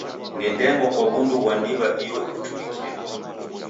Ni ndengwa kwa w'undu ghwa ndiw'a iyo kuchurikia.